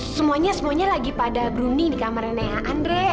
semuanya semuanya lagi pada bruni di kamarnya naya andre